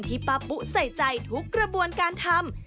ป้าปุ๊ใส่ใจทุกกระบวนการทำ